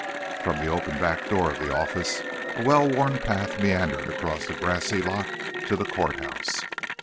From the open back door of the office a well worn path meandered across the grassy lot to the court house.